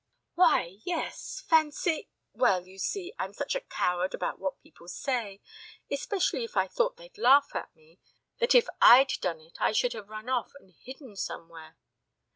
"Why, yes! Fancy well, you see, I'm such a coward about what people say especially if I thought they'd laugh at me that if I'd done it I should have run off and hidden somewhere."